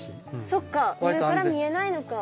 そっか上から見えないのか。